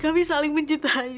kami kami saling mencintai ibu